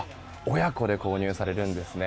親子で購入されるんですね。